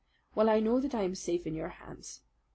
Well, I know that I am safe in your hands.